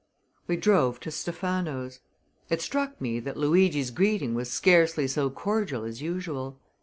We drove to Stephano's. It struck me that Luigi's greeting was scarcely so cordial as usual.